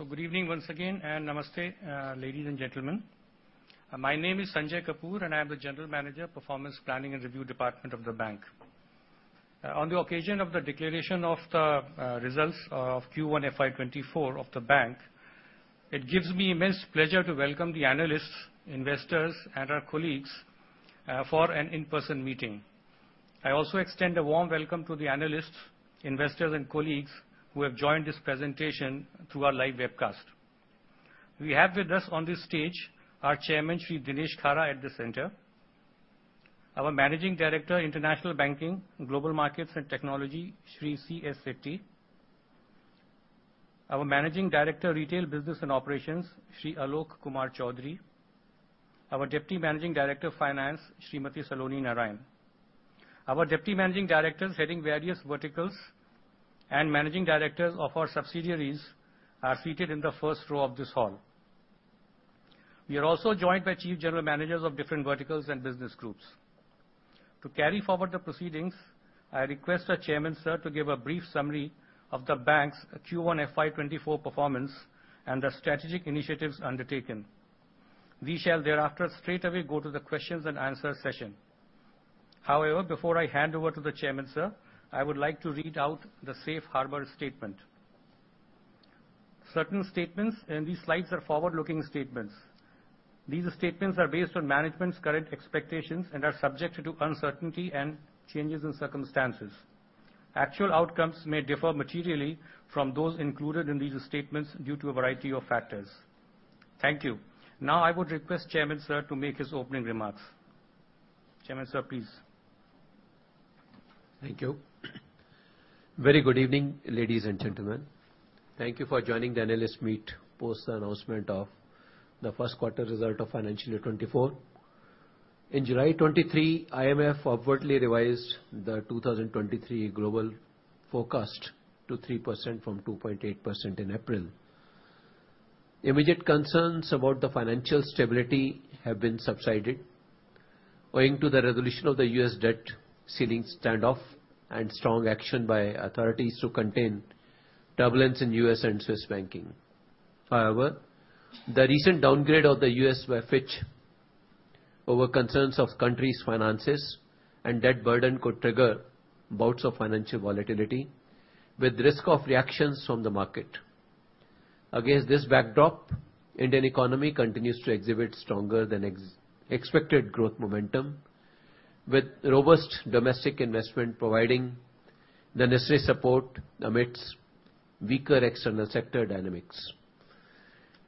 So good evening once again, and namaste, ladies and gentlemen. My name is Sanjay Kapoor, and I am the General Manager, Performance Planning and Review Department of the bank. On the occasion of the declaration of the results of Q1 FY24 of the bank, it gives me immense pleasure to welcome the analysts, investors, and our colleagues for an in-person meeting. I also extend a warm welcome to the analysts, investors, and colleagues who have joined this presentation through our live webcast. We have with us on this stage our Chairman, Shri Dinesh Khara, at the center, our Managing Director, International Banking, Global Markets, and Technology, Shri CS Setty, our Managing Director, Retail Business and Operations, Shri Alok Kumar Choudhary, our Deputy Managing Director, Finance, Srimati Saloni Narayan. Our Deputy Managing Directors, heading various verticals and Managing Directors of our subsidiaries, are seated in the first row of this hall. We are also joined by Chief General Managers of different verticals and business groups. To carry forward the proceedings, I request our Chairman, sir, to give a brief summary of the bank's Q1 FY 2024 performance and the strategic initiatives undertaken. We shall thereafter straightaway go to the questions and answer session. However, before I hand over to the Chairman, sir, I would like to read out the safe harbor statement. Certain statements in these slides are forward-looking statements. These statements are based on management's current expectations and are subject to uncertainty and changes in circumstances. Actual outcomes may differ materially from those included in these statements due to a variety of factors. Thank you. Now, I would request Chairman, sir, to make his opening remarks. Chairman, sir, please. Thank you. Very good evening, ladies and gentlemen. Thank you for joining the analyst meet, post the announcement of the first quarter result of financial year 2024. In July 2023, IMF upwardly revised the 2023 global forecast to 3% from 2.8% in April. Immediate concerns about the financial stability have been subsided owing to the resolution of the U.S. debt ceiling standoff and strong action by authorities to contain turbulence in U.S. and Swiss banking. The recent downgrade of the U.S. by Fitch over concerns of country's finances and debt burden could trigger bouts of financial volatility, with risk of reactions from the market. Against this backdrop, Indian economy continues to exhibit stronger than expected growth momentum, with robust domestic investment providing the necessary support amidst weaker external sector dynamics.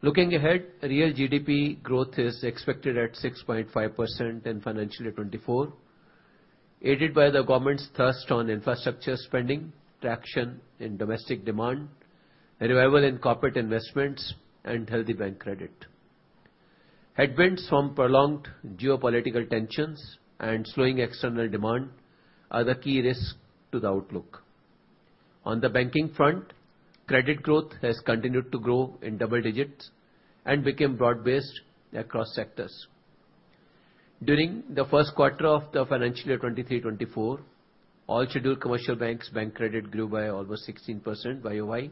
Looking ahead, real GDP growth is expected at 6.5% in financial year 2024, aided by the government's thrust on infrastructure spending, traction in domestic demand, a revival in corporate investments, and healthy bank credit. Headwinds from prolonged geopolitical tensions and slowing external demand are the key risks to the outlook. On the banking front, credit growth has continued to grow in double digits and became broad-based across sectors. During the first quarter of the financial year 2023-2024, all scheduled commercial banks' bank credit grew by almost 16% Y-o-Y,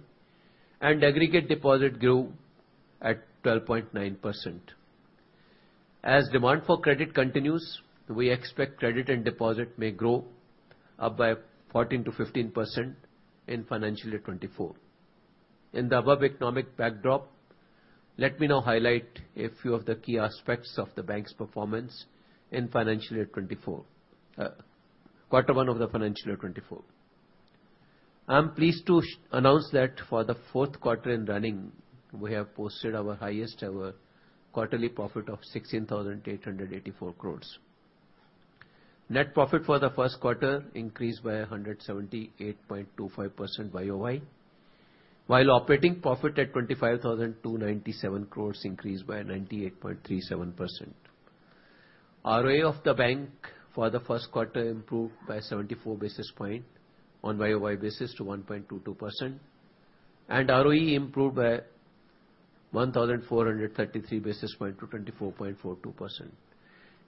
and aggregate deposit grew at 12.9%. As demand for credit continues, we expect credit and deposit may grow up by 14%-15% in financial year 2024. In the above economic backdrop, let me now highlight a few of the key aspects of the bank's performance in financial year 2024, Q1 of the financial year 2024. I'm pleased to announce that for the fourth quarter and running, we have posted our highest ever quarterly profit of 16,884 crore. Net profit for the first quarter increased by 178.25% Y-o-Y, while operating profit at 25,297 crore increased by 98.37%. ROA of the bank for the first quarter improved by 74 basis points on Y-o-Y basis to 1.22%, and ROE improved by 1,433 basis points to 24.42%.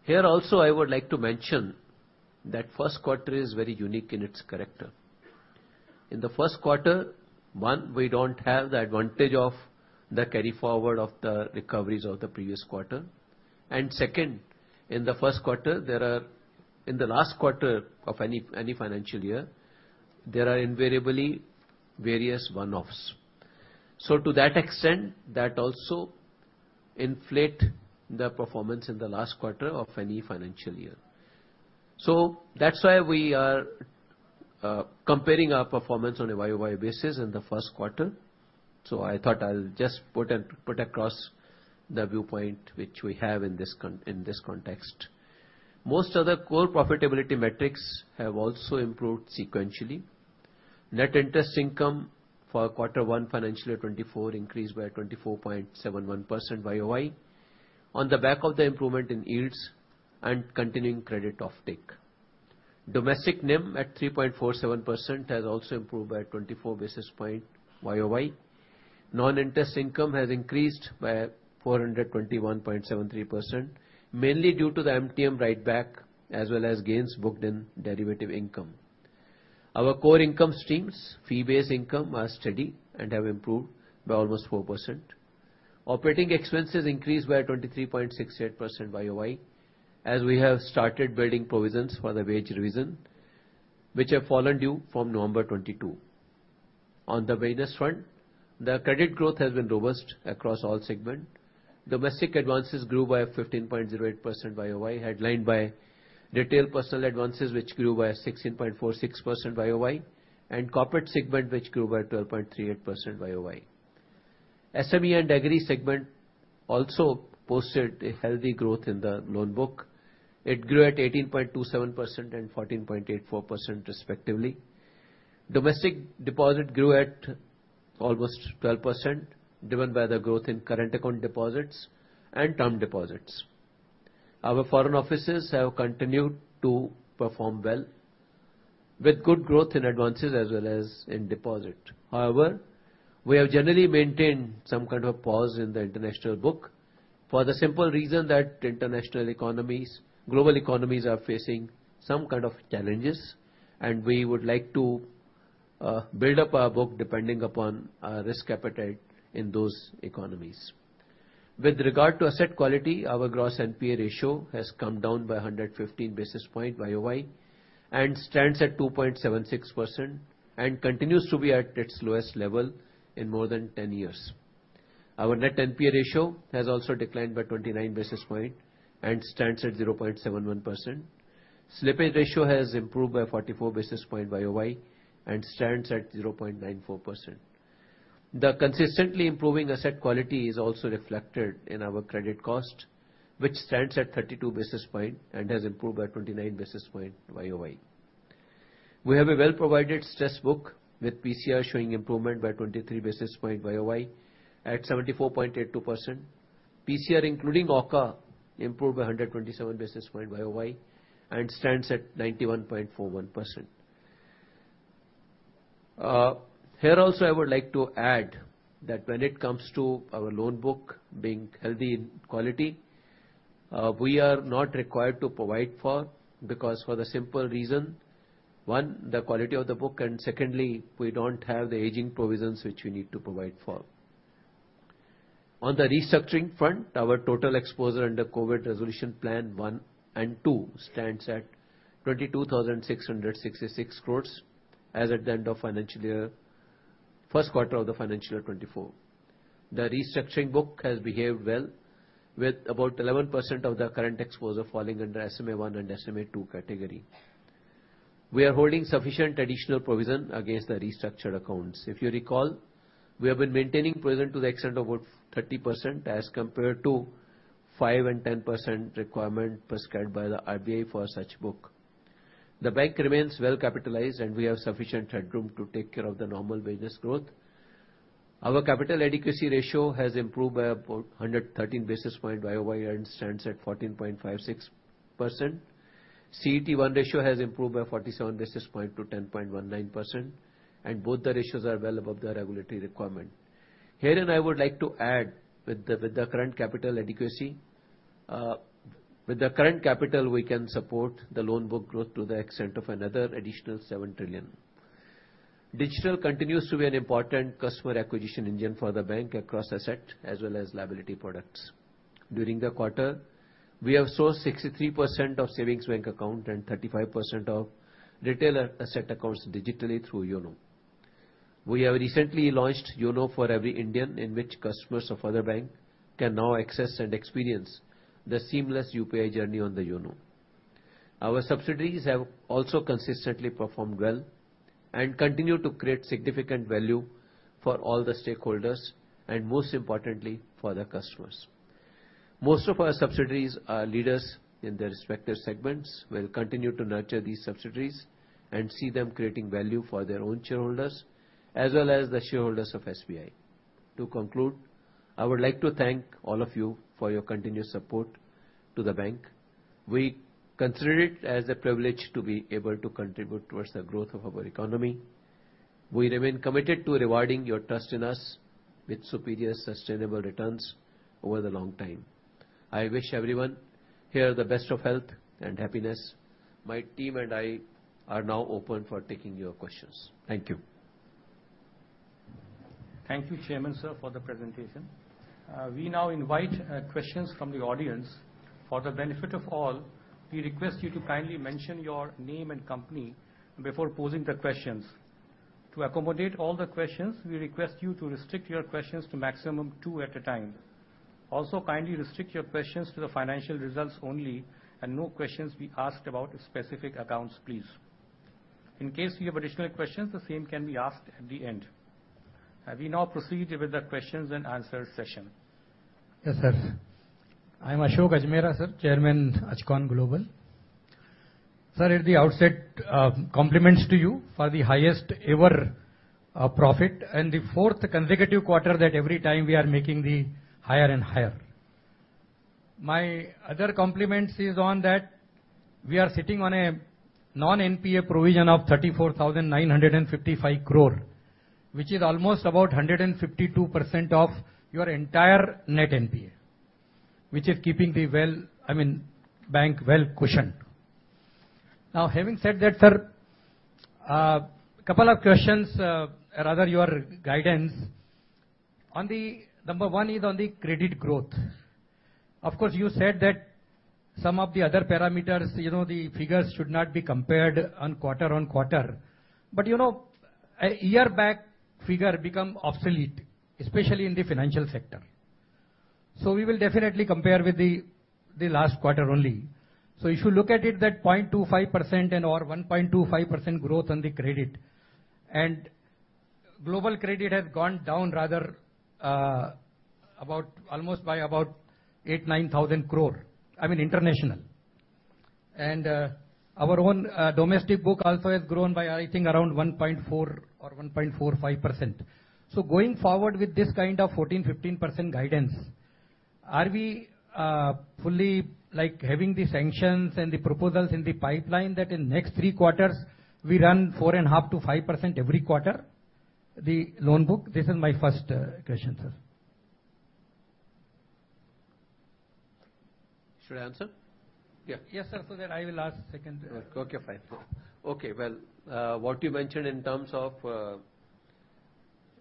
Here also, I would like to mention that first quarter is very unique in its character. In the first quarter, one, we don't have the advantage of the carry forward of the recoveries of the previous quarter. Second, in the first quarter, In the last quarter of any, any financial year, there are invariably various one-offs. To that extent, that also inflate the performance in the last quarter of any financial year. That's why we are comparing our performance on a Y-o-Y basis in the first quarter. I thought I'll just put across the viewpoint which we have in this context. Most of the core profitability metrics have also improved sequentially. Net interest income for quarter one, financial year 2024, increased by 24.71% Y-o-Y, on the back of the improvement in yields and continuing credit offtake. Domestic NIM, at 3.47%, has also improved by 24 basis point Y-o-Y. Non-interest income has increased by 421.73%, mainly due to the MTM write-back, as well as gains booked in derivative income. Our core income streams, fee-based income are steady and have improved by almost 4%. Operating expenses increased by 23.68% Y-o-Y, as we have started building provisions for the wage revision, which have fallen due from November 2022. On the business front, the credit growth has been robust across all segment. Domestic advances grew by 15.08% Y-o-Y, headlined by retail personal advances, which grew by 16.46% Y-o-Y, and Corporate segment, which grew by 12.38% Y-o-Y. SME and Agri segment also posted a healthy growth in the loan book. It grew at 18.27% and 14.84%, respectively. Domestic deposit grew at almost 12%, driven by the growth in current account deposits and term deposits. Our foreign offices have continued to perform well, with good growth in advances as well as in deposit. However, we have generally maintained some kind of pause in the international book for the simple reason that international economies, global economies, are facing some kind of challenges, and we would like to build up our book depending upon our risk appetite in those economies. With regard to asset quality, our gross NPA ratio has come down by 115 basis points Y-o-Y and stands at 2.76%, and continues to be at its lowest level in more than 10 years. Our net NPA ratio has also declined by 29 basis point and stands at 0.71%. Slippage ratio has improved by 44 basis point Y-o-Y and stands at 0.94%. The consistently improving asset quality is also reflected in our credit cost, which stands at 32 basis point and has improved by 29 basis point Y-o-Y. We have a well-provided stress book, with PCR showing improvement by 23 basis point Y-o-Y at 74.82%. PCR, including AUCA, improved by 127 basis point Y-o-Y and stands at 91.41%. Here also, I would like to add that when it comes to our loan book being healthy in quality, we are not required to provide for, because for the simple reason, one, the quality of the book, and secondly, we don't have the aging provisions which we need to provide for. On the restructuring front, our total exposure under COVID Resolution Plan 1 and 2 stands at 22,666 crore as at the end of the first quarter of the financial year 2024. The restructuring book has behaved well, with about 11% of the current exposure falling under SMA-1 and SMA-2 category. We are holding sufficient additional provision against the restructured accounts. If you recall, we have been maintaining provision to the extent of about 30% as compared to 5% and 10% requirement prescribed by the RBI for such book. The bank remains well-capitalized, and we have sufficient headroom to take care of the normal business growth. Our capital adequacy ratio has improved by about 113 basis points Y-o-Y and stands at 14.56%. CET1 ratio has improved by 47 basis points to 10.19%, and both the ratios are well above the regulatory requirement. Here, and I would like to add, with the, with the current capital adequacy, with the current capital, we can support the loan book growth to the extent of another additional 7 trillion. Digital continues to be an important customer acquisition engine for the bank across asset as well as liability products. During the quarter, we have sourced 63% of savings bank account and 35% of retail asset accounts digitally through YONO. We have recently launched YONO for Every Indian, in which customers of other bank can now access and experience the seamless UPI journey on the YONO. Our subsidiaries have also consistently performed well and continue to create significant value for all the stakeholders and, most importantly, for the customers. Most of our subsidiaries are leaders in their respective segments. We'll continue to nurture these subsidiaries and see them creating value for their own shareholders, as well as the shareholders of SBI. To conclude, I would like to thank all of you for your continued support to the bank. We consider it as a privilege to be able to contribute towards the growth of our economy. We remain committed to rewarding your trust in us with superior, sustainable returns over the long time. I wish everyone here the best of health and happiness. My team and I are now open for taking your questions. Thank you. Thank you, Chairman, sir, for the presentation. We now invite questions from the audience. For the benefit of all, we request you to kindly mention your name and company before posing the questions. To accommodate all the questions, we request you to restrict your questions to maximum two at a time. Kindly restrict your questions to the financial results only, and no questions be asked about specific accounts, please. In case you have additional questions, the same can be asked at the end. We now proceed with the questions and answer session. Yes, sir. I'm Ashok Ajmera, sir, Chairman, Ajcon Global. Sir, at the outset, compliments to you for the highest ever profit and the fourth consecutive quarter that every time we are making the higher and higher. My other compliments is on that we are sitting on a non-NPA provision of 34,955 crore, which is almost about 152% of your entire net NPA, which is keeping the well, I mean, bank well cushioned. Now, having said that, sir, couple of questions, rather your guidance on the number one is on the credit growth. Of course, you said that some of the other parameters, you know, the figures should not be compared on quarter-on-quarter, but, you know, a year-back figure become obsolete, especially in the financial sector. We will definitely compare with the last quarter only. If you look at it, that 0.25% and or 1.25% growth on the credit, and global credit has gone down rather, about almost by about 8,000-9,000 crore, I mean, international. Our own domestic book also has grown by, I think, around 1.4% or 1.45%. Going forward with this kind of 14%-15% guidance, are we fully like having the sanctions and the proposals in the pipeline, that in next three quarters we run 4.5%-5% every quarter, the loan book? This is my first question, sir. Should I answer? Yeah. Yes, sir. I will ask second. Okay, fine. Okay, well, what you mentioned in terms of,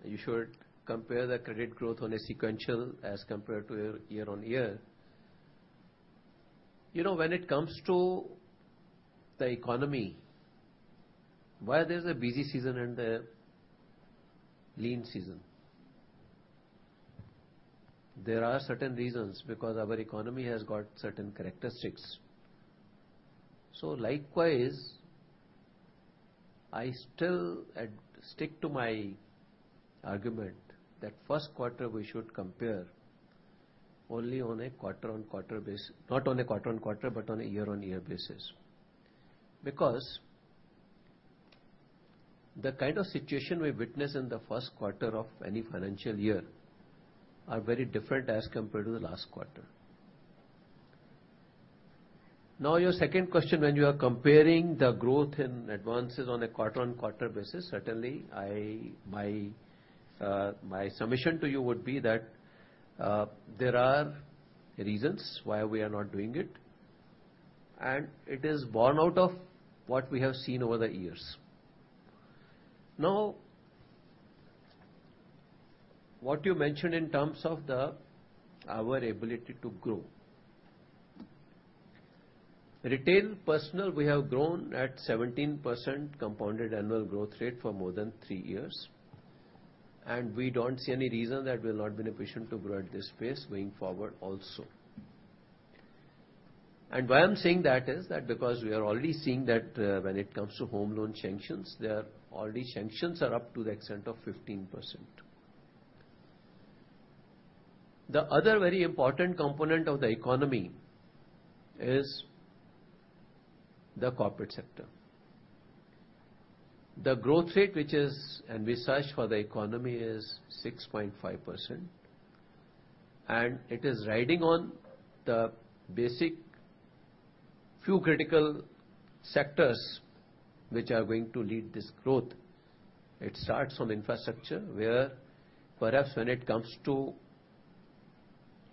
you should compare the credit growth on a sequential as compared to year-on-year. You know, when it comes to the economy, why there's a busy season and a lean season? There are certain reasons, because our economy has got certain characteristics. Likewise, I stick to my argument that first quarter we should compare only on a quarter-on-quarter basis. Not on a quarter-on-quarter, but on a year-on-year basis. The kind of situation we witness in the first quarter of any financial year are very different as compared to the last quarter. Now, your second question, when you are comparing the growth in advances on a quarter-on-quarter basis, certainly, I, my, my submission to you would be that, there are reasons why we are not doing it, and it is born out of what we have seen over the years. Now, what you mentioned in terms of the, our ability to grow. Retail personal, we have grown at 17% compounded annual growth rate for more than 3 years, and we don't see any reason that we'll not be in a position to grow at this pace going forward also. Why I'm saying that is, that because we are already seeing that, when it comes to home loan sanctions, they are already sanctions are up to the extent of 15%. The other very important component of the economy is the corporate sector. The growth rate, which is, and we searched for the economy, is 6.5%, and it is riding on the basic few critical sectors which are going to lead this growth. It starts from infrastructure, where perhaps when it comes to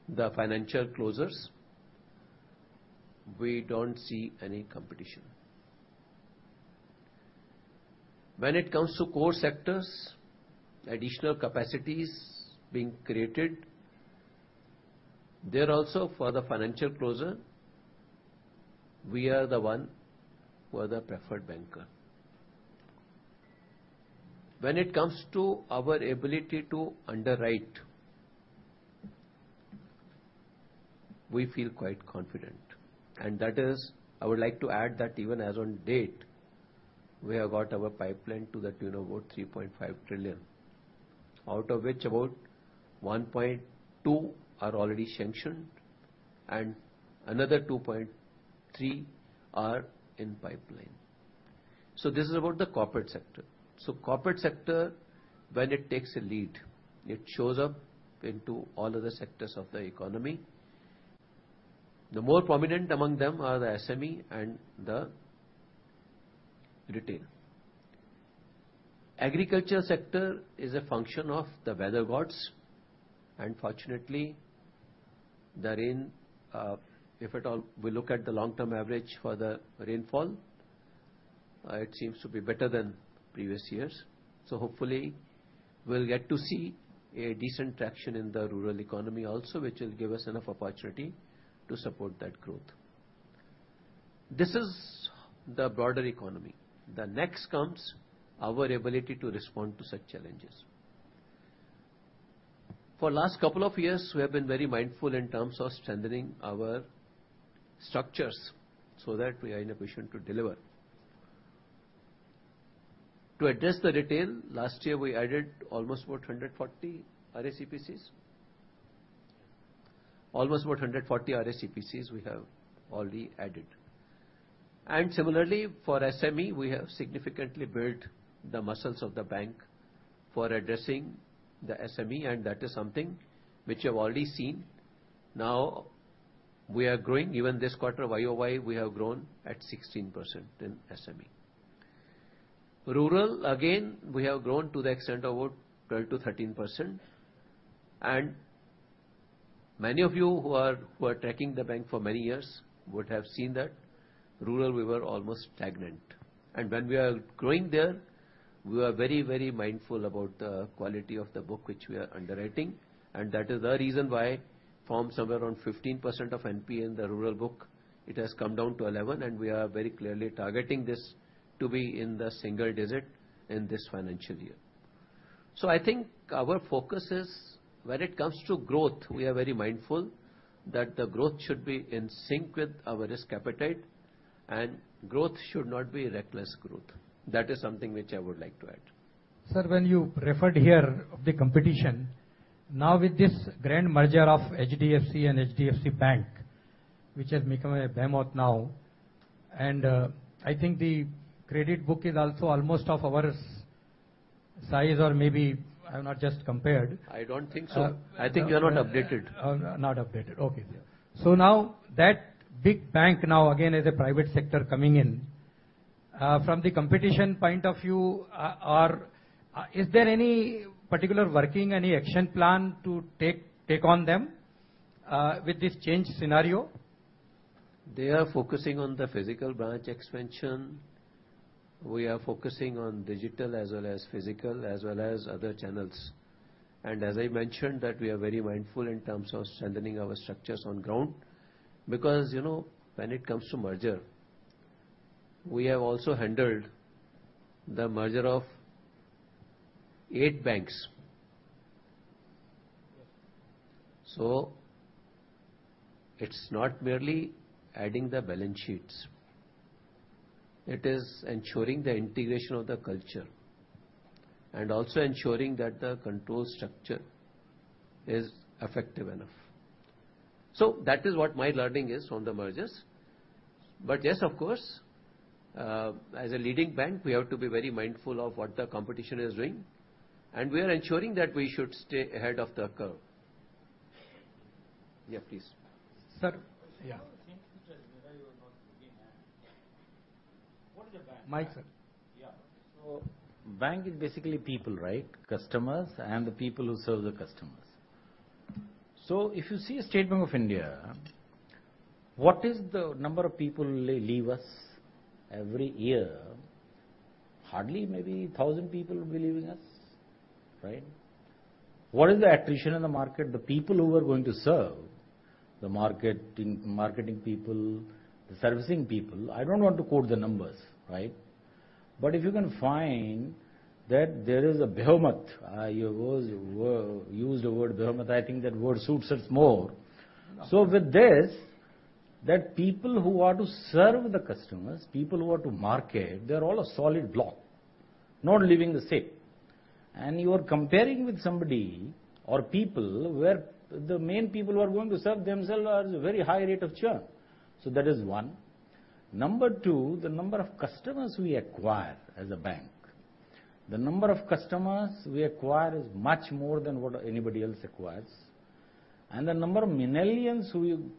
the financial closers, we don't see any competition. When it comes to core sectors, additional capacities being created, there also for the financial closer, we are the one who are the preferred banker. When it comes to our ability to underwrite, we feel quite confident, and that is, I would like to add that even as on date, we have got our pipeline to the tune of about 3.5 trillion, out of which about 1.2 trillion are already sanctioned, and another 2.3 trillion are in pipeline. This is about the corporate sector. Corporate sector, when it takes a lead, it shows up into all other sectors of the economy. The more prominent among them are the SME and the retail. Agriculture sector is a function of the weather gods, and fortunately, the rain, if at all we look at the long-term average for the rainfall, it seems to be better than previous years. Hopefully, we'll get to see a decent traction in the rural economy also, which will give us enough opportunity to support that growth. This is the broader economy. The next comes our ability to respond to such challenges. For last couple of years, we have been very mindful in terms of strengthening our structures so that we are in a position to deliver. To address the retail, last year, we added almost about 140 RACPCs. Almost about 140 RACPCs we have already added. Similarly, for SME, we have significantly built the muscles of the bank for addressing the SME, and that is something which you have already seen. Now, we are growing. Even this quarter, Y-o-Y, we have grown at 16% in SME. Rural, again, we have grown to the extent of about 12%-13%. Many of you who are, who are tracking the bank for many years would have seen that rural, we were almost stagnant. When we are growing there, we are very, very mindful about the quality of the book which we are underwriting, and that is the reason why from somewhere around 15% of NPA in the rural book, it has come down to 11%, and we are very clearly targeting this to be in the single digit in this financial year. I think our focus is when it comes to growth, we are very mindful that the growth should be in sync with our risk appetite, and growth should not be reckless growth. That is something which I would like to add. Sir, when you referred here of the competition, now with this grand merger of HDFC and HDFC Bank, which has become a behemoth now, and I think the credit book is also almost of our size or maybe I have not just compared. I don't think so. I think you are not updated. Oh, not updated. Okay. Yeah. Now that big bank now again, is a private sector coming in, from the competition point of view, or, is there any particular working, any action plan to take, take on them, with this changed scenario? They are focusing on the physical branch expansion. We are focusing on digital as well as physical, as well as other channels. As I mentioned that we are very mindful in terms of strengthening our structures on ground, because, you know, when it comes to merger, we have also handled the merger of eight banks. It's not merely adding the balance sheets. It is ensuring the integration of the culture and also ensuring that the control structure is effective enough. That is what my learning is from the mergers. Yes, of course, as a leading bank, we have to be very mindful of what the competition is doing, and we are ensuring that we should stay ahead of the curve. Yeah, please. Sir- Yeah. Mic, sir. Yeah. Bank is basically people, right? Customers and the people who serve the customers. If you see a State Bank of India, what is the number of people they leave us every year? Hardly maybe 1,000 people will be leaving us, right. What is the attrition in the market? The people who are going to serve, the marketing people, the servicing people, I don't want to quote the numbers, right? If you can find that there is a behemoth, you used the word behemoth, I think that word suits us more. With this, that people who are to serve the customers, people who are to market, they're all a solid block, not leaving the State. You are comparing with somebody or people where the main people who are going to serve themselves are at a very high rate of churn. That is one. Number two, the number of customers we acquire as a bank. The number of customers we acquire is much more than what anybody else acquires, and the number of millennials who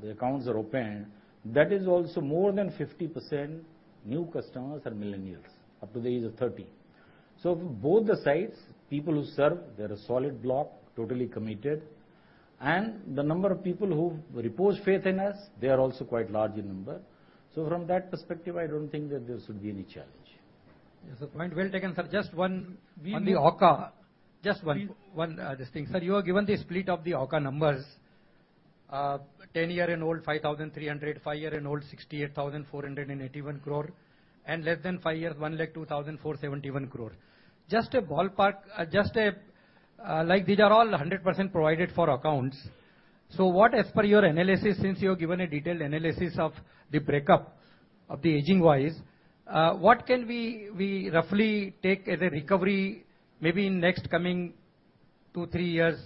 the accounts are open, that is also more than 50% new customers are millennials, up to the age of 30. Both the sides, people who serve, they're a solid block, totally committed, and the number of people who repose faith in us, they are also quite large in number. From that perspective, I don't think that there should be any challenge. Yes, the point well taken, sir. Just one- We- On the AUCA. Just one, one distinction. Sir, you have given the split of the AUCA numbers: 10 year and old, 5,300 crore, 5 year and old, 68,481 crore, and less than 5 years, 102,471 crore. Just a ballpark, just a, like these are all 100% provided for accounts. What, as per your analysis, since you have given a detailed analysis of the breakup of the aging-wise, what can we roughly take as a recovery, maybe in next coming 2, 3 years,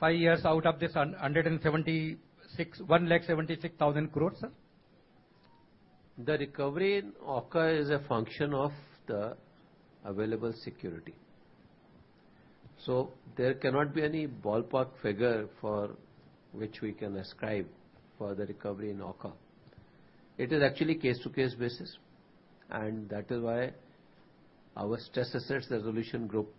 5 years out of this 176,000 crore, sir? The recovery in AUCA is a function of the available security. There cannot be any ballpark figure for which we can ascribe for the recovery in AUCA. It is actually case-to-case basis, and that is why our stress assets resolution group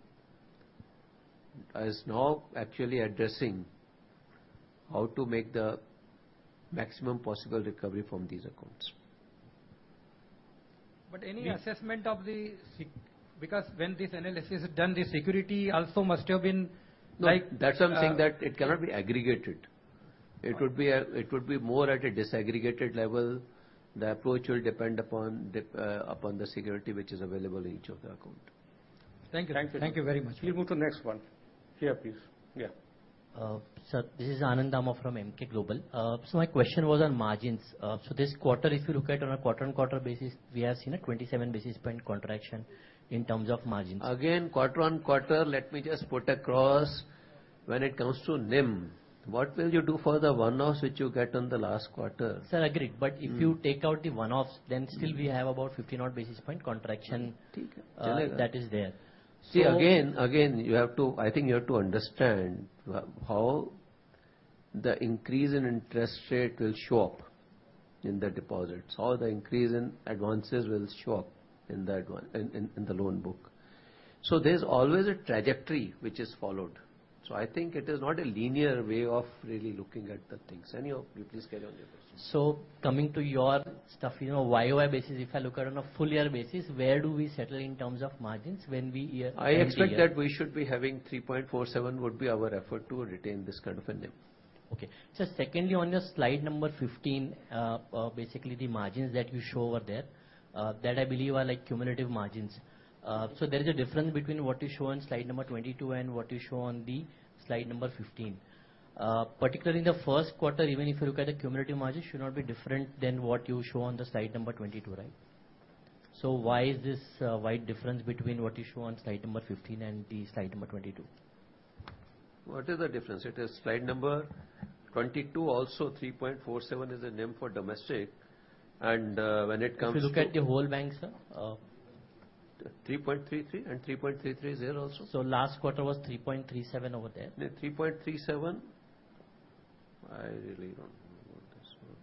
is now actually addressing how to make the maximum possible recovery from these accounts. Any assessment of the because when this analysis is done, the security also must have been like- No, that's what I'm saying, that it cannot be aggregated. Oh. It would be, it would be more at a disaggregated level. The approach will depend upon the upon the security, which is available in each of the account. Thank you. Thank you. Thank you very much. We'll move to the next one. Yeah, please. Yeah. Sir, this is Anand Dama from Emkay Global. My question was on margins. This quarter, if you look at on a quarter-on-quarter basis, we have seen a 27 basis point contraction in terms of margins. Quarter on quarter, let me just put across when it comes to NIM, what will you do for the one-offs which you get on the last quarter? Sir, agreed. Mm. If you take out the one-offs- Mm.... still we have about 50 odd basis point contraction that is there. See, again, again, you have to, I think you have to understand how the increase in interest rate will show up in the deposits, or the increase in advances will show up in that one, in the loan book. There's always a trajectory which is followed. I think it is not a linear way of really looking at the things. Anyhow, you please carry on with your question. Coming to your stuff, you know, Y-o-Y basis, if I look at it on a full year basis, where do we settle in terms of margins when we? I expect that we should be having 3.47, would be our effort to retain this kind of a NIM. Okay. Secondly, on your slide number 15, basically the margins that you show over there, that I believe are like cumulative margins. So there is a difference between what you show on slide number 22 and what you show on the slide number 15. Particularly in the first quarter, even if you look at the cumulative margins, should not be different than what you show on the slide number 22, right? Why is this a wide difference between what you show on slide number 15 and the slide number 22? What is the difference? It is slide number 22, also 3.47 is the NIM for domestic, and, when it comes to- If you look at the whole bank, sir. 3.33, and 3.33 is there also. Last quarter was 3.37 over there. The 3.37? I really don't remember this one.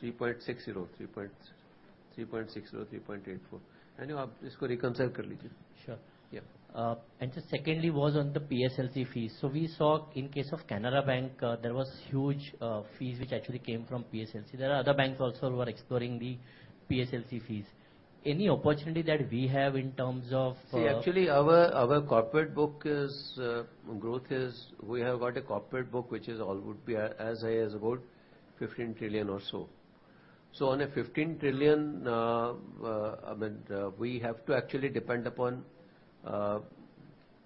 3.60. 3.60, 3.84. Just go reconcile it. Sure. Yeah. Just secondly, was on the PSLC fees. We saw in case of Canara Bank, there was huge fees which actually came from PSLC. There are other banks also who are exploring the PSLC fees. Any opportunity that we have in terms of- Actually, our, our corporate book is, growth is we have got a corporate book which is all, would be as, as high as about 15 trillion or so. On a 15 trillion, we have to actually depend upon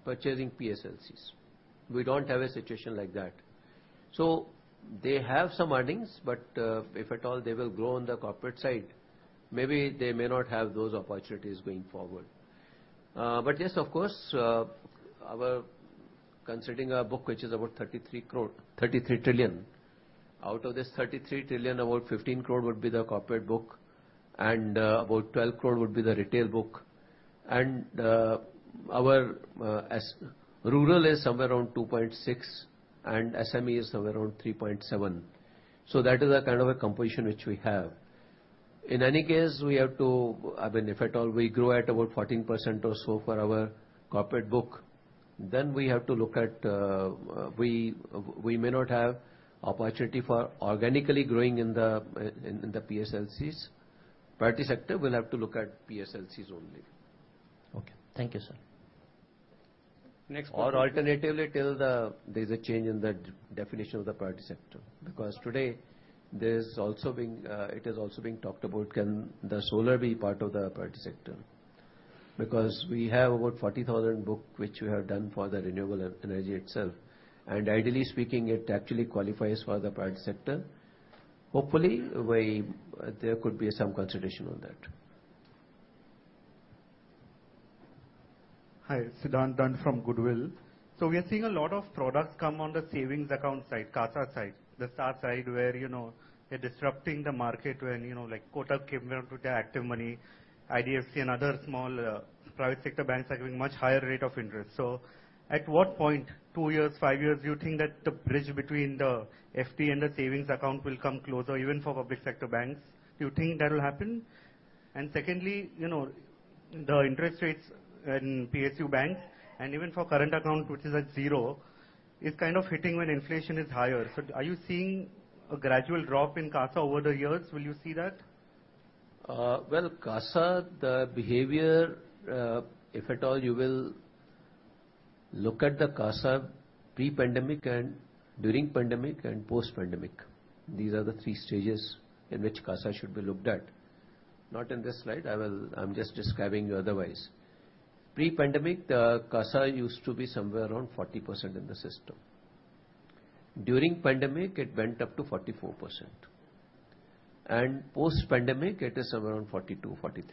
purchasing PSLCs. We don't have a situation like that. They have some earnings, but if at all they will grow on the corporate side, maybe they may not have those opportunities going forward. But yes, of course, our considering our book, which is about 33 crore, 33 trillion, out of this 33 trillion, about 15 crore would be the corporate book, and about 12 crore would be the retail book. Our as rural is somewhere around 2.6, and SME is somewhere around 3.7. That is a kind of a composition which we have. In any case, we have to... I mean, if at all, we grow at about 14% or so for our corporate book, then we have to look at, we, we may not have opportunity for organically growing in the PSLCs. Priority sector will have to look at PSLCs only. Okay. Thank you, sir. Next- Alternatively, till there's a change in the definition of the priority sector. Today, it is also being talked about, can the solar be part of the priority sector? We have over 40,000 book, which we have done for the renewable energy itself, ideally speaking, it actually qualifies for the priority sector. Hopefully, there could be some consideration on that. Hi, Siddhant Dand from Goodwill. We are seeing a lot of products come on the savings account side, CASA side, the SA side, where, you know, they're disrupting the market when, you know, like Kotak came out with their ActivMoney, IDFC and other small private sector banks are giving much higher rate of interest. At what point, 2 years, 5 years, do you think that the bridge between the FD and the savings account will come closer, even for public sector banks? Do you think that will happen? Secondly, you know, the interest rates in PSU banks, and even for current account, which is at zero, is kind of hitting when inflation is higher. Are you seeing a gradual drop in CASA over the years? Will you see that? Well, CASA, the behavior, if at all, you will look at the CASA pre-pandemic and during pandemic and post-pandemic, these are the three stages in which CASA should be looked at. Not in this slide, I'm just describing you otherwise. Pre-pandemic, the CASA used to be somewhere around 40% in the system. During pandemic, it went up to 44%. Post-pandemic, it is around 42%, 43%.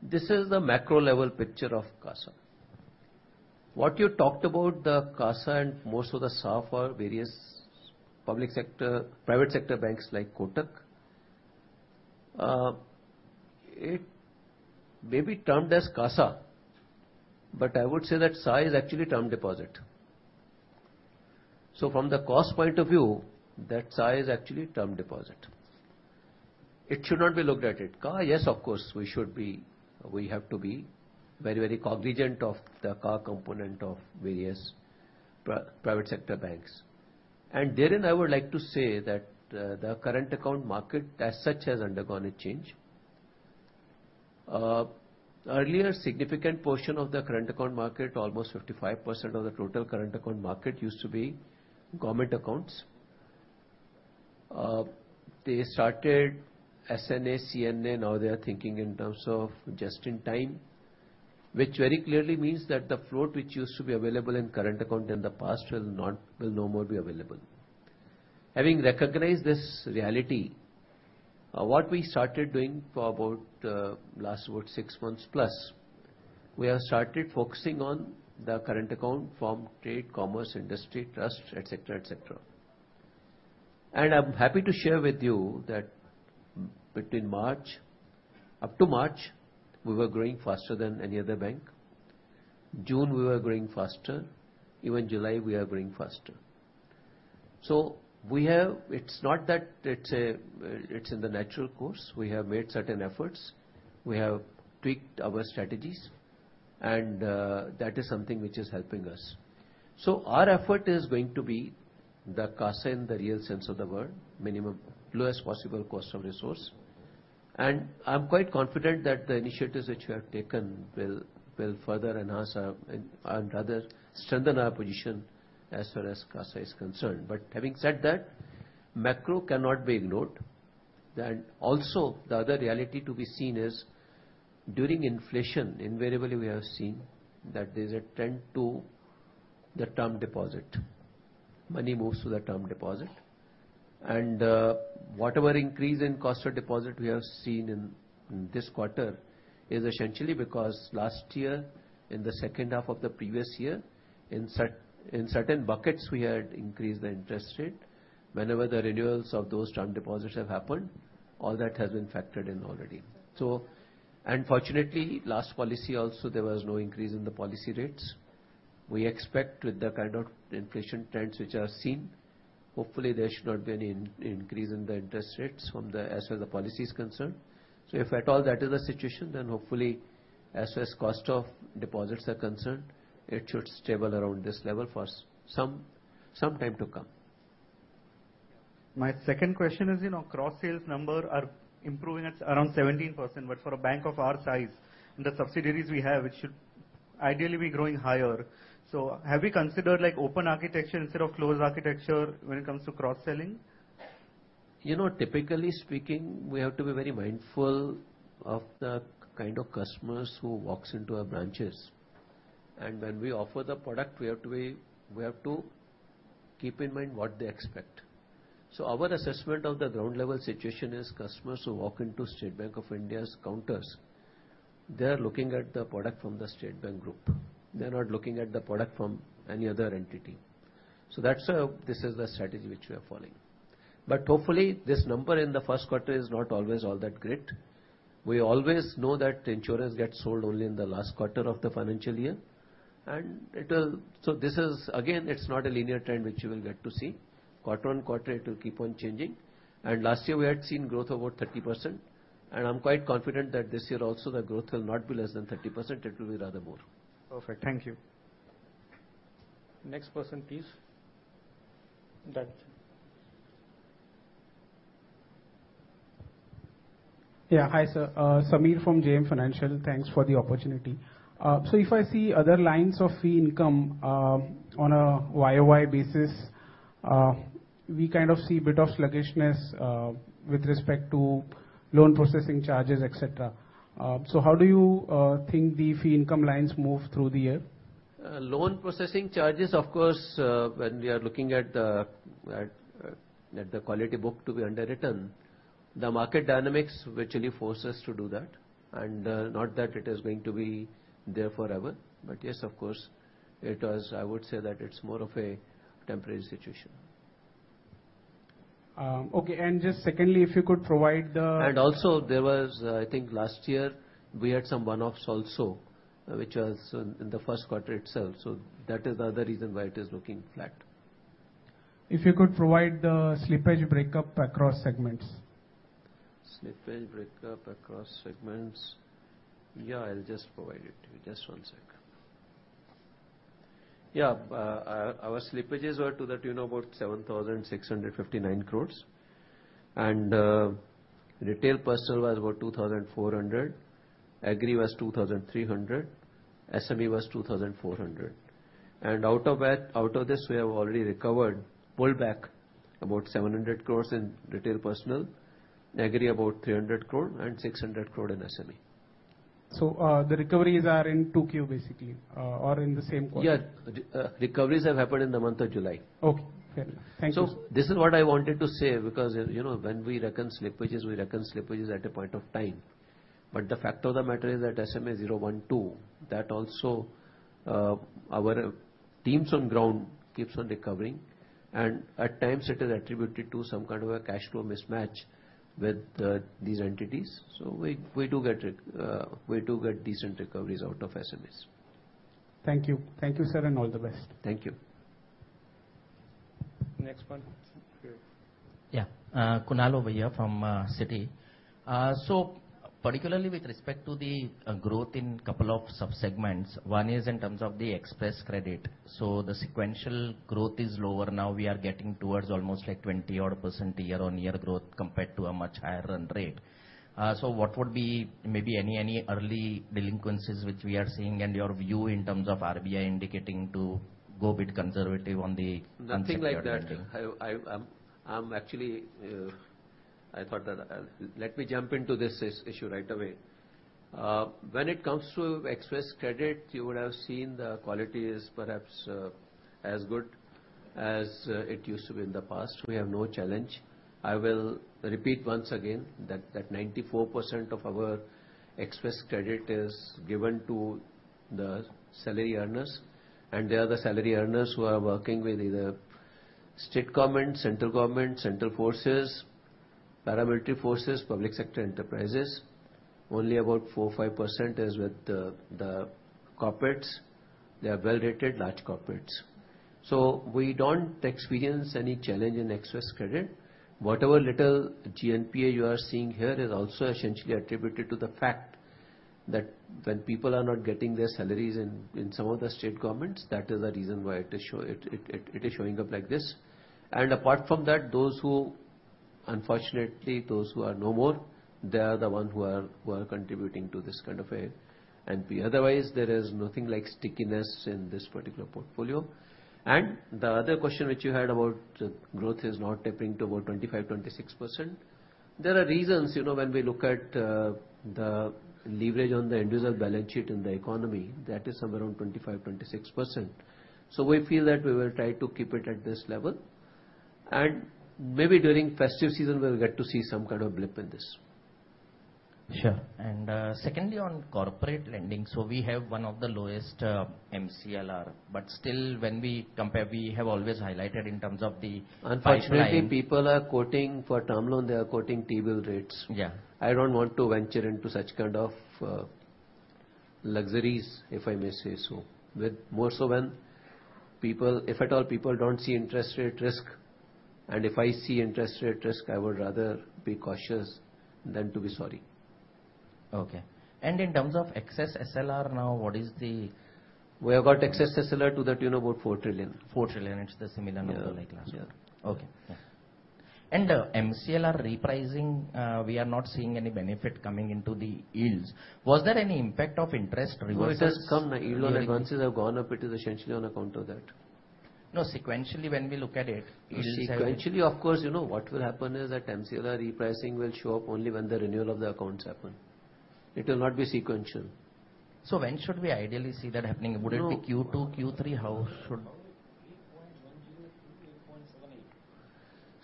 This is the macro level picture of CASA. What you talked about, the CASA and most of the SA for various public sector, private sector banks like Kotak, it may be termed as CASA, but I would say that SA is actually term deposit. From the cost point of view, that SA is actually term deposit. It should not be looked at it. CASA, yes, of course, we should be, we have to be very, very cognizant of the CASA component of various private sector banks. Therein, I would like to say that, the current account market, as such, has undergone a change. Earlier, significant portion of the current account market, almost 55% of the total current account market, used to be government accounts. They started SNA, CNA, now they are thinking in terms of just in time, which very clearly means that the float which used to be available in current account in the past will not, will no more be available. Having recognized this reality, what we started doing for about, last about 6+ months, we have started focusing on the current account from trade, commerce, industry, trust, et cetera, et cetera... I'm happy to share with you that between March, up to March, we were growing faster than any other bank. June, we were growing faster. Even July, we are growing faster. We have- it's not that it's in the natural course, we have made certain efforts, we have tweaked our strategies, and that is something which is helping us. Our effort is going to be the CASA in the real sense of the word, lowest possible cost of resource. I'm quite confident that the initiatives which we have taken will further enhance our, and rather, strengthen our position as far as CASA is concerned. Having said that, macro cannot be ignored. Also the other reality to be seen is, during inflation, invariably, we have seen that there's a trend to the term deposit. Money moves to the term deposit. Whatever increase in cost of deposit we have seen in this quarter, is essentially because last year, in the second half of the previous year, in certain buckets, we had increased the interest rate. Whenever the renewals of those term deposits have happened, all that has been factored in already. Unfortunately, last policy also, there was no increase in the policy rates. We expect with the kind of inflation trends which are seen, hopefully, there should not be any increase in the interest rates from the... as far as the policy is concerned. If at all that is the situation, then hopefully, as far as cost of deposits are concerned, it should stable around this level for some, some time to come. My second question is, you know, cross-sales number are improving at around 17%, but for a bank of our size and the subsidiaries we have, it should ideally be growing higher. Have we considered, like, open architecture instead of closed architecture when it comes to cross-selling? You know, typically speaking, we have to be very mindful of the kind of customers who walks into our branches. When we offer the product, we have to keep in mind what they expect. Our assessment of the ground level situation is, customers who walk into State Bank of India's counters, they are looking at the product from the State Bank Group. They're not looking at the product from any other entity. That's this is the strategy which we are following. Hopefully, this number in the first quarter is not always all that great. We always know that insurance gets sold only in the last quarter of the financial year, and it will... This is again, it's not a linear trend which you will get to see. Quarter on quarter, it will keep on changing. Last year, we had seen growth about 30%, and I'm quite confident that this year also, the growth will not be less than 30%, it will be rather more. Perfect. Thank you. Next person, please. Done. Yeah. Hi, sir. Samir from JM Financial. Thanks for the opportunity. If I see other lines of fee income, on a Y-o-Y basis, we kind of see a bit of sluggishness, with respect to loan processing charges, et cetera. How do you think the fee income lines move through the year? Loan processing charges, of course, when we are looking at the quality book to be underwritten, the market dynamics which really force us to do that, not that it is going to be there forever. Yes, of course, it was. I would say that it's more of a temporary situation. Okay. Just secondly, if you could provide the- Also there was, I think last year, we had some one-offs also, which was in, in the first quarter itself, so that is the other reason why it is looking flat. If you could provide the slippage breakup across segments. Slippage breakup across segments? I'll just provide it to you. Just 1 sec. Yeah. Our slippages were to the tune of about 7,659 crore. Retail personal was about 2,400 crore, agri was 2,300 crore, SME was 2,400 crore. Out of this, we have already recovered, pulled back about 700 crore in retail personal, in agri about 300 crore, and 600 crore in SME. The recoveries are in 2Q, basically, or in the same quarter? Yeah. Recoveries have happened in the month of July. Okay. Yeah. Thank you. This is what I wanted to say, because, you know, when we reckon slippages, we reckon slippages at a point of time. The fact of the matter is that SMA 0-1-2, that also, our teams on ground keeps on recovering, and at times, it is attributed to some kind of a cash flow mismatch with these entities. We, we do get, we do get decent recoveries out of SMEs. Thank you. Thank you, sir, and all the best. Thank you. Next one? Yeah. Kunal over here from Citi. Particularly with respect to the growth in couple of sub-segments, one is in terms of the Xpress Credit. The sequential growth is lower. Now, we are getting towards almost like 20% year-on-year growth compared to a much higher run rate. What would be maybe any, any early delinquencies which we are seeing, and your view in terms of RBI indicating to go a bit conservative on the- Nothing like that.... concept you are trending. I'm actually. I thought that, let me jump into this issue right away. When it comes to Xpress Credit, you would have seen the quality is perhaps as good as it used to be in the past. We have no challenge. I will repeat once again that 94% of our Xpress Credit is given to the salary earners, and they are the salary earners who are working with either state government, central government, central forces, paramilitary forces, public sector enterprises. Only about 4% or 5% is with the corporates. They are well-rated large corporates. We don't experience any challenge in Xpress Credit. Whatever little GNPA you are seeing here is also essentially attributed to the fact that when people are not getting their salaries in, in some of the state governments, that is the reason why it is showing up like this. Apart from that, those who unfortunately, those who are no more, they are the ones who are, who are contributing to this kind of a NP. Otherwise, there is nothing like stickiness in this particular portfolio. The other question, which you had about growth, is not tapering to about 25%, 26%. There are reasons, you know, when we look at the leverage on the individual balance sheet in the economy, that is somewhere around 25%, 26%. We feel that we will try to keep it at this level, and maybe during festive season, we will get to see some kind of blip in this. Sure. Secondly, on corporate lending, so we have one of the lowest MCLR, but still, when we compare, we have always highlighted in terms of the- Unfortunately, people are quoting for term loan, they are quoting T-bill rates. Yeah. I don't want to venture into such kind of, luxuries, if I may say so. With more so when people... If at all, people don't see interest rate risk, and if I see interest rate risk, I would rather be cautious than to be sorry. Okay. In terms of excess SLR, now, what is the? We have got excess SLR to the tune of about 4 trillion. 4 trillion. It's the similar number like last year. Yeah. Okay. Yes. The MCLR repricing, we are not seeing any benefit coming into the yields. Was there any impact of interest reverses? It has come, yield on advances have gone up, it is essentially on account of that. Sequentially, when we look at it, yields have. Sequentially, of course, you know, what will happen is that MCLR repricing will show up only when the renewal of the accounts happen. It will not be sequential. When should we ideally see that happening? You know. Would it be Q2, Q3? How should?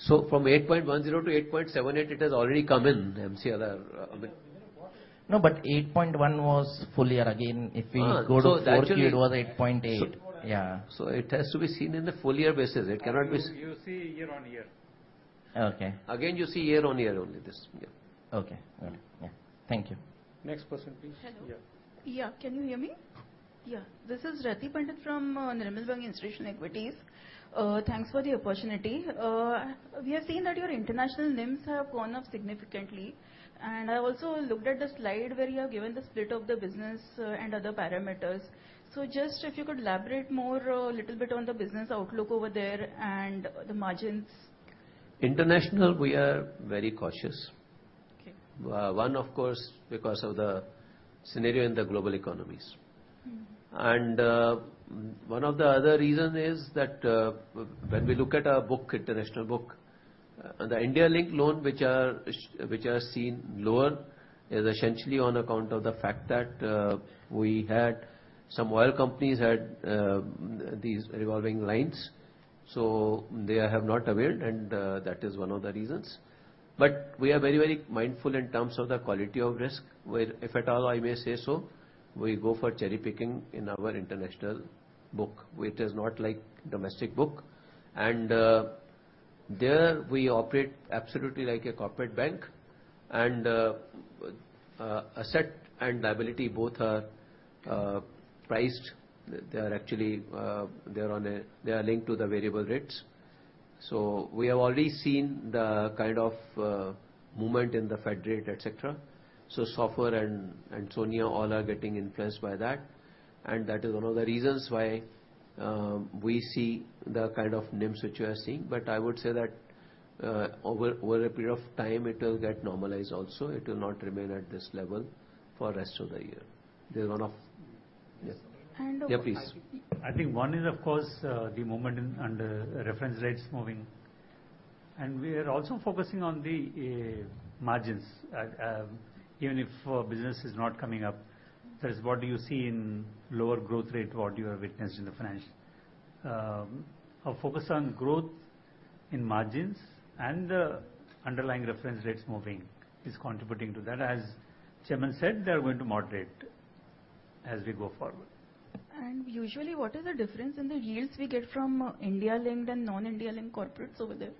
8.10-8.78. From 8.10-8.78, it has already come in, the MCLR of the- Even more. No, 8.1 was full year. Again, if we go to the fourth year, it was 8.8. Yeah. It has to be seen in the full year basis. It cannot be- You see year-on-year. Okay. Again, you see year-on-year only this, yeah. Okay. Got it. Yeah. Thank you. Next person, please. Hello. Yeah. Yeah. Can you hear me? Yeah. This is Rati Pandit from Nirmal Bang Institutional Equities. Thanks for the opportunity. We have seen that your international NIMS have gone up significantly, and I also looked at the slide where you have given the split of the business and other parameters. Just if you could elaborate more little bit on the business outlook over there and the margins. International, we are very cautious. Okay. One, of course, because of the scenario in the global economies. Mm-hmm. One of the other reason is that, when we look at our book, international book, the India-linked loan, which are, which are seen lower, is essentially on account of the fact that, we had some oil companies had, these revolving lines, so they have not availed, that is one of the reasons. We are very, very mindful in terms of the quality of risk, where if at all, I may say so, we go for cherry-picking in our international book, which is not like domestic book. There we operate absolutely like a corporate bank, asset and liability both are, priced. They are actually, they are linked to the variable rates. We have already seen the kind of, movement in the Fed rate, et cetera. SOFR and SONIA, all are getting influenced by that, and that is one of the reasons why, we see the kind of NIMS, which you are seeing. I would say that, over, over a period of time, it will get normalized also. It will not remain at this level for the rest of the year. There's one of... And- Yeah, please. I think one is, of course, the movement in, and the reference rates moving, and we are also focusing on the margins. Even if business is not coming up, that is what you see in lower growth rate, what you have witnessed in the financial. Our focus on growth in margins and the underlying reference rates moving is contributing to that. As Chairman said, they are going to moderate as we go forward. Usually, what is the difference in the yields we get from India-linked and non-India-linked corporates over there?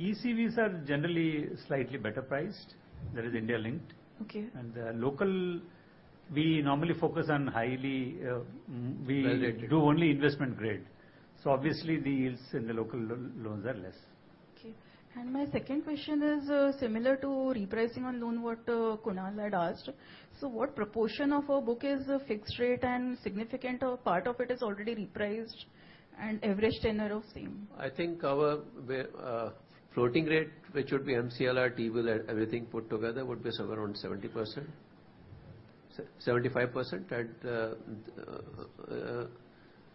ECVs are generally slightly better priced, that is India-linked. Okay. The local, we normally focus on highly... Well-rated.... we do only investment grade. Obviously, the yields in the local loans are less. Okay. My second question is similar to repricing on loan, what Kunal had asked. What proportion of our book is a fixed rate and significant part of it is already repriced and average tenor of same? I think our floating rate, which would be MCLR, T-bill, everything put together, would be somewhere around 70%, 75%, and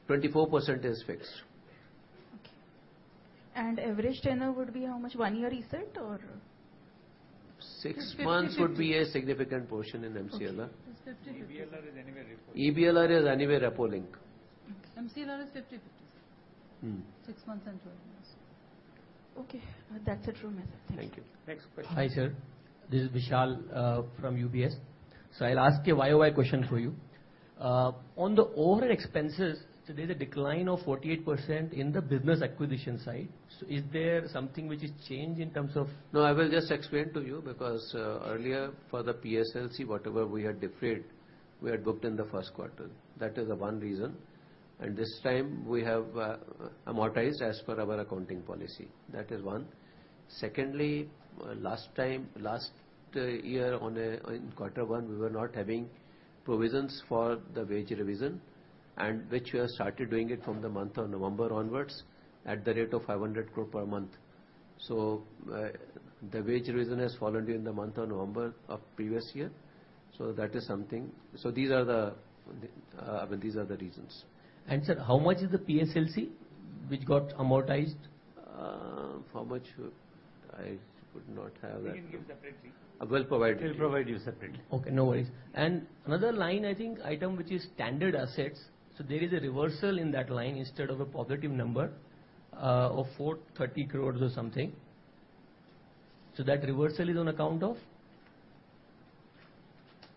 24% is fixed. Okay. Average tenor would be how much? 1 year recent or? 6 months would be a significant portion in MCLR. It's 50/50. EBLR is anyway repo link. EBLR is anyway repo link. MCLR is 50/50. Mm. 6 months and 12 months. Okay, that's it from me, sir. Thank you. Thank you. Next question. Hi, sir. This is Vishal from UBS. I'll ask a why, why question for you. On the overall expenses, there's a decline of 48% in the business acquisition side. Is there something which has changed in terms of- I will just explain to you, earlier, for the PSLC, whatever we had defrayed, we had booked in the first quarter. That is the one reason. This time, we have amortized as per our accounting policy. That is one. Secondly, last time, last year in quarter one, we were not having provisions for the wage revision, which we have started doing it from the month of November onwards at the rate of 500 crore per month. The wage revision has fallen during the month of November of previous year, that is something. These are the, I mean, these are the reasons. Sir, how much is the PSLC which got amortized? How much? I could not have that. We can give separately. I will provide. We'll provide you separately. Okay, no worries. Another line, I think, item, which is standard assets. There is a reversal in that line instead of a positive number, of 430 crore or something. That reversal is on account of?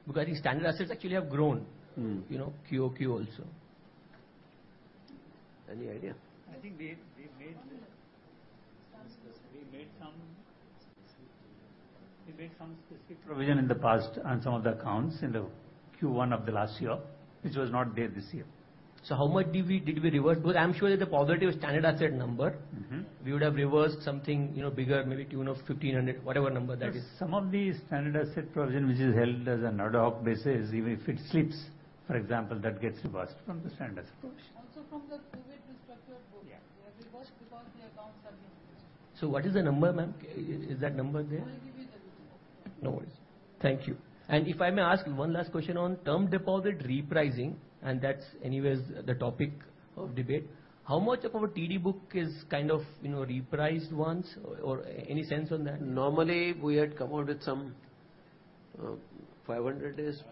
Because the standard assets actually have grown- Mm. You know, Q-o-Q also. Any idea? I think we made some specific provision in the past on some of the accounts in the Q1 of the last year, which was not there this year. How much did we, did we reverse? Because I'm sure that the positive standard asset number- Mm-hmm. We would have reversed something, you know, bigger, maybe tune of 1,500, whatever number that is. Some of the standard asset provision, which is held as an ad hoc basis, even if it slips, for example, that gets reversed from the standard asset portion. Also from the COVID restructured book. Yeah. We have reversed because the accounts have increased. What is the number, ma'am? Is that number there? I'll give you the everything. No worries. Thank you. If I may ask one last question on term deposit repricing, and that's anyway the topic of debate. How much of our TD book is kind of, you know, repriced once, or any sense on that? Normally, we had come out with some, 500 is...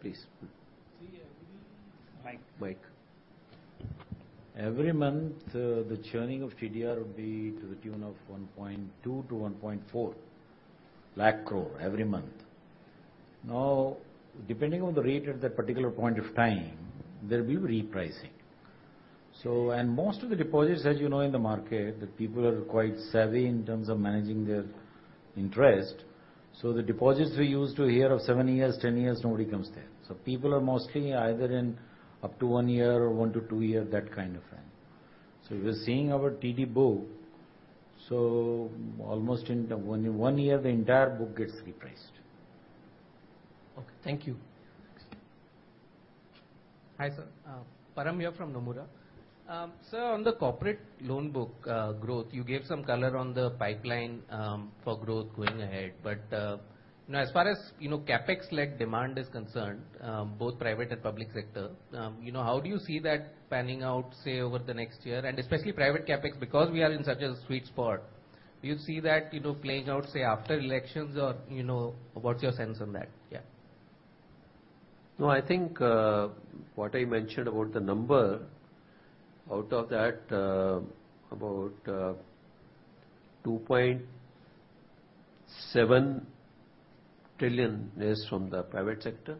Please. See. Mic. Mic. Every month, the churning of TDR would be to the tune of 120,000 crore-140,000 crore every month. Now, depending on the rate at that particular point of time, there will be repricing. Most of the deposits, as you know, in the market, the people are quite savvy in terms of managing their interest. The deposits we use to hear of 7 years, 10 years, nobody comes there. People are mostly either in up to 1 year or 1-2 year, that kind of thing. If you're seeing our TD book, so almost in the 1 year, the entire book gets repriced. Okay. Thank you. Hi, sir. Param here from Nomura. Sir, on the corporate loan book, growth, you gave some color on the pipeline, for growth going ahead. As far as, you know, CapEx-led demand is concerned, both private and public sector, you know, how do you see that panning out, say, over the next year? Especially private CapEx, because we are in such a sweet spot, do you see that, you know, playing out, say, after elections or, you know, what's your sense on that? Yeah. I think, what I mentioned about the number, out of that, about, 2.7 trillion is from the private sector,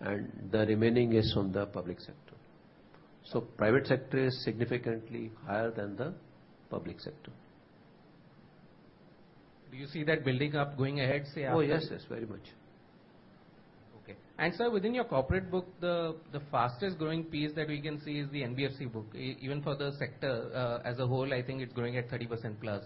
and the remaining is from the public sector. Private sector is significantly higher than the public sector. Do you see that building up going ahead, say after- Oh, yes, yes, very much. Okay. Sir, within your corporate book, the, the fastest growing piece that we can see is the NBFC book. Even for the sector, as a whole, I think it's growing at 30% plus.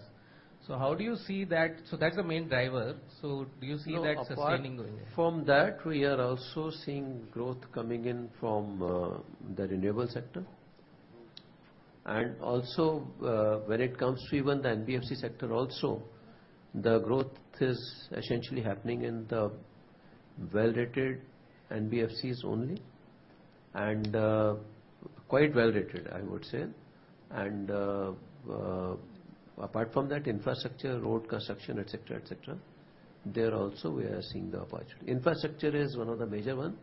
That's the main driver. Do you see that sustaining going ahead? From that, we are also seeing growth coming in from the renewable sector. Also, when it comes to even the NBFC sector also, the growth is essentially happening in the well-rated NBFCs only, and quite well-rated, I would say. Apart from that, infrastructure, road construction, et cetera, et cetera, there also we are seeing the opportunity. Infrastructure is one of the major one.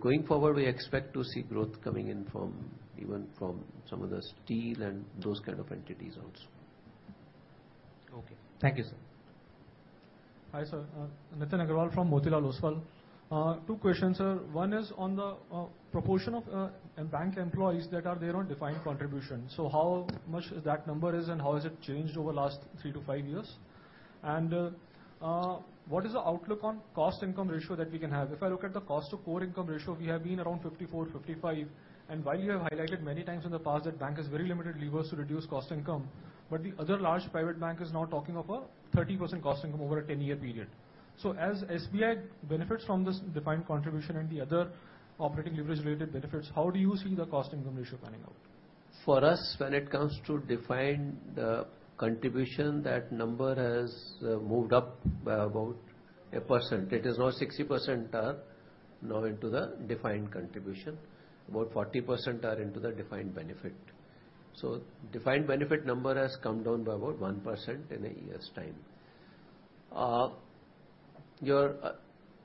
Going forward, we expect to see growth coming in from, even from some of the steel and those kind of entities also. Okay. Thank you, sir. Hi, sir. Nitin Aggarwal from Motilal Oswal. Two questions, sir. One is on the proportion of bank employees that are there on defined contribution. How much that number is, and how has it changed over the last 3-5 years? What is the outlook on cost-income ratio that we can have? If I look at the cost to core income ratio, we have been around 54, 55. While you have highlighted many times in the past that bank has very limited levers to reduce cost income, but the other large private bank is now talking of a 30% cost income over a 10-year period. As SBI benefits from this defined contribution and the other operating leverage related benefits, how do you see the cost income ratio panning out? For us, when it comes to defined contribution, that number has moved up by about 8%. It is now 60% are now into the defined contribution. About 40% are into the defined benefit. Defined benefit number has come down by about 1% in a year's time. Your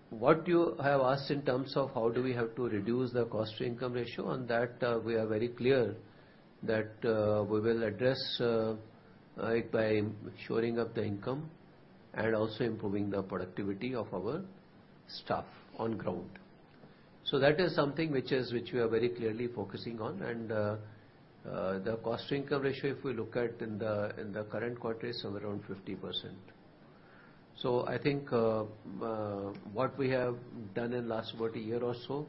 what you have asked in terms of how do we have to reduce the cost-to-income ratio, on that, we are very clear that we will address by shoring up the income and also improving the productivity of our staff on ground. That is something which we are very clearly focusing on, and the cost-to-income ratio, if we look at in the current quarter, is around 50%. I think, what we have done in last about a year or so,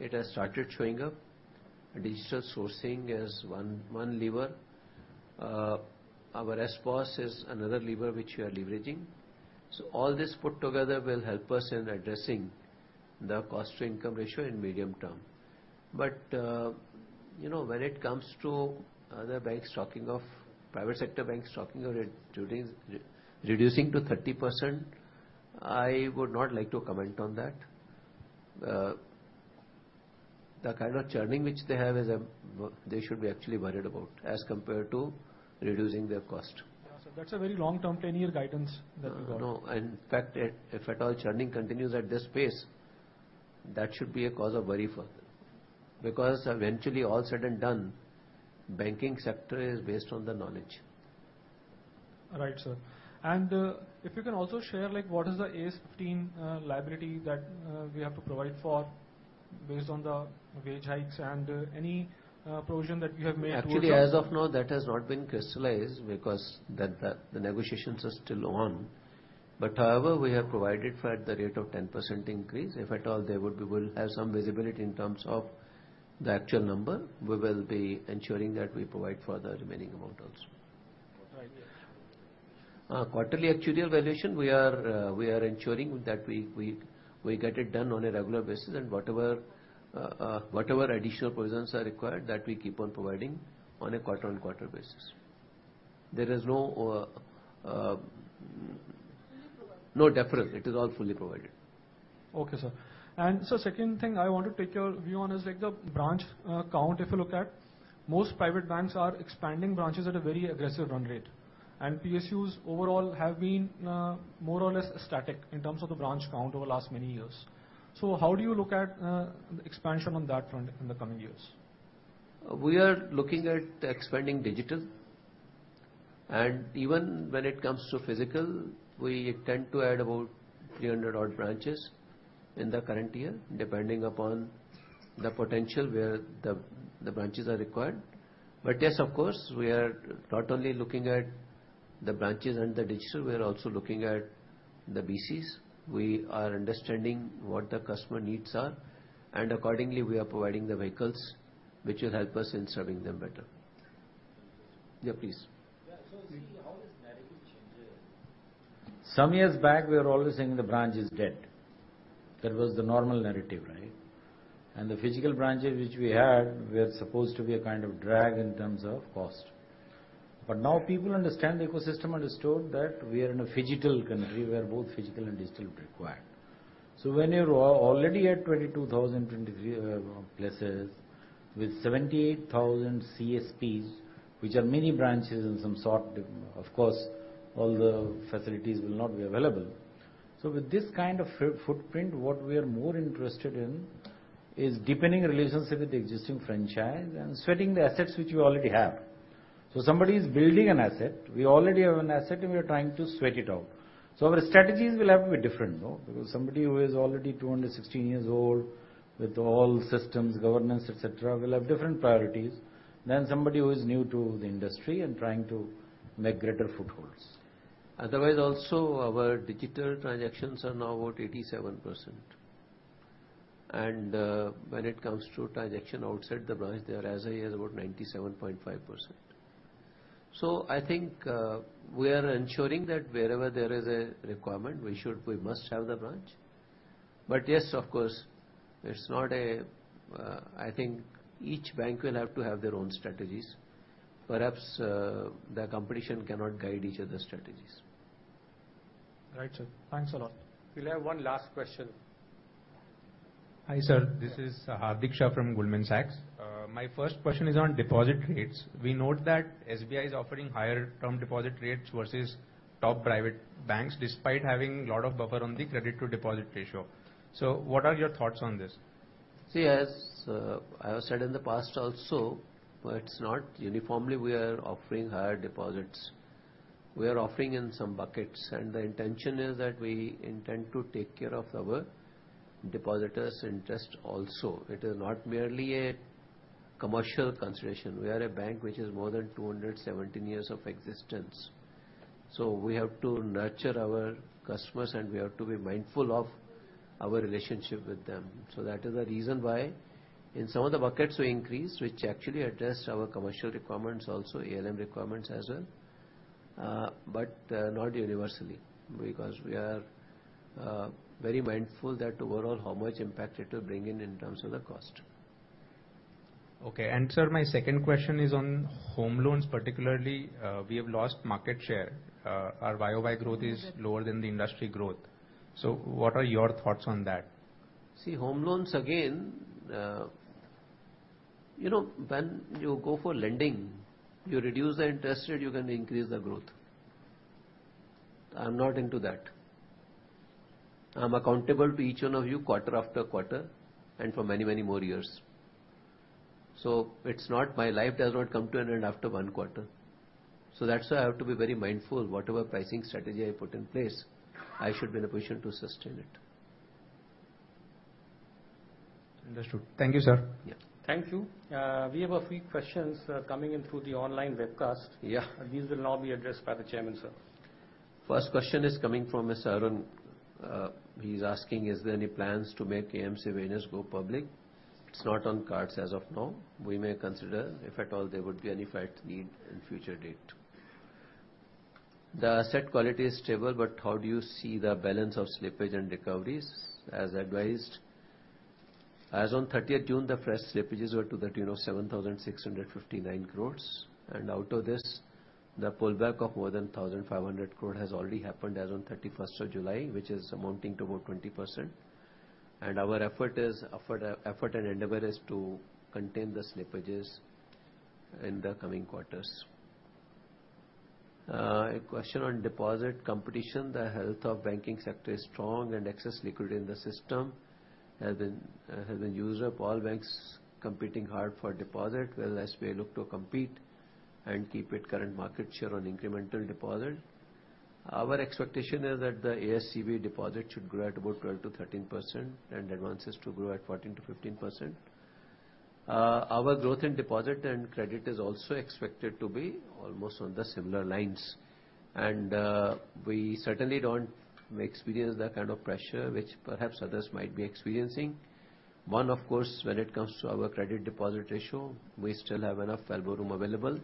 it has started showing up. Digital sourcing is one, one lever. Our SBOSS is another lever which we are leveraging. All this put together will help us in addressing the cost-to-income ratio in medium term. You know, when it comes to other banks talking of private sector banks talking of reducing, reducing to 30%, I would not like to comment on that. The kind of churning which they have is a, they should be actually worried about, as compared to reducing their cost. Yeah, sir, that's a very long-term, 10-year guidance that you got. In fact, if at all churning continues at this pace, that should be a cause of worry for them. Eventually, all said and done, banking sector is based on the knowledge. Right, sir. If you can also share, like, what is the AS 15 liability that we have to provide for based on the wage hikes, and any provision that you have made towards that? Actually, as of now, that has not been crystallized because the, the, the negotiations are still on. However, we have provided for at the rate of 10% increase. If at all, they we will have some visibility in terms of the actual number, we will be ensuring that we provide for the remaining amount also. Quarterly actual. Quarterly actual valuation, we are ensuring that we get it done on a regular basis, and whatever, whatever additional provisions are required, that we keep on providing on a quarter-on-quarter basis. There is no... Fully provided. No deferral. It is all fully provided. Okay, sir. Sir, second thing I want to take your view on is, like, the branch count. If you look at, most private banks are expanding branches at a very aggressive run rate, and PSUs overall have been more or less static in terms of the branch count over the last many years. How do you look at expansion on that front in the coming years? We are looking at expanding digital. Even when it comes to physical, we intend to add about 300 odd branches in the current year, depending upon the potential where the branches are required. Yes, of course, we are not only looking at the branches and the digital, we are also looking at the BCs. We are understanding what the customer needs are, and accordingly, we are providing the vehicles which will help us in serving them better. Thank you, sir. Yeah, please. Yeah, see, how this narrative changes? Some years back, we were always saying the branch is dead. That was the normal narrative, right? The physical branches which we had, were supposed to be a kind of drag in terms of cost. Now people understand, the ecosystem understood that we are in a phygital country, where both physical and digital are required. When you're already at 22,023 places, with 78,000 CSPs, which are mini branches in some sort, of course, all the facilities will not be available. With this kind of footprint, what we are more interested in is deepening relationship with the existing franchise and sweating the assets which we already have. Somebody is building an asset, we already have an asset, and we are trying to sweat it out. Our strategies will have to be different, no? Because somebody who is already 216 years old, with all systems, governance, et cetera, will have different priorities than somebody who is new to the industry and trying to make greater footholds. Otherwise, also, our digital transactions are now about 87%. When it comes to transaction outside the branch, they are, as I hear, about 97.5%. I think, we are ensuring that wherever there is a requirement, we must have the branch. Yes, of course, it's not a. I think each bank will have to have their own strategies. Perhaps, the competition cannot guide each other's strategies. Right, sir. Thanks a lot. We'll have one last question. Hi, sir. This is Hardik Shah from Goldman Sachs. My first question is on deposit rates. We note that SBI is offering higher term deposit rates versus top private banks, despite having a lot of buffer on the credit to deposit ratio. What are your thoughts on this? See, as I have said in the past also, it's not uniformly we are offering higher deposits. We are offering in some buckets, and the intention is that we intend to take care of our depositors' interest also. It is not merely a commercial consideration. We are a bank which is more than 217 years of existence, so we have to nurture our customers, and we have to be mindful of our relationship with them. That is the reason why in some of the buckets we increase, which actually address our commercial requirements, also ALM requirements as well, but not universally, because we are very mindful that overall how much impact it will bring in, in terms of the cost. Okay. sir, my second question is on home loans, particularly, we have lost market share. Our Y-o-Y growth is lower than the industry growth. What are your thoughts on that? See, home loans again, you know, when you go for lending, you reduce the interest rate, you can increase the growth. I'm not into that. I'm accountable to each one of you quarter after quarter, and for many, many more years. It's not, my life does not come to an end after one quarter. That's why I have to be very mindful. Whatever pricing strategy I put in place, I should be in a position to sustain it. Understood. Thank you, sir. Yeah. Thank you. We have a few questions coming in through the online webcast. Yeah. These will now be addressed by the Chairman, sir. First question is coming from Mr. Arun. He's asking: Is there any plans to make AMCE Venus go public? It's not on cards as of now. We may consider, if at all, there would be any felt need in future date. The asset quality is stable, how do you see the balance of slippage and recoveries? As advised, as on 30th June, the fresh slippages were to the tune of 7,659 crore. Out of this, the pullback of more than 1,500 crore has already happened as on 31st July, which is amounting to about 20%. Our effort and endeavor is to contain the slippages in the coming quarters. A question on deposit competition. The health of banking sector is strong, and excess liquidity in the system has been has been used up, all banks competing hard for deposit. Well, as we look to compete and keep it current market share on incremental deposit, our expectation is that the ASCB deposit should grow at about 12%-13% and advances to grow at 14%-15%. Our growth in deposit and credit is also expected to be almost on the similar lines, and we certainly don't experience that kind of pressure, which perhaps others might be experiencing. One, of course, when it comes to our credit deposit ratio, we still have enough elbow room available.